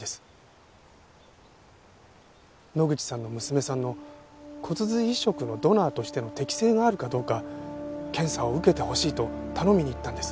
野口さんの娘さんの骨髄移植のドナーとしての適性があるかどうか検査を受けてほしいと頼みに行ったんです。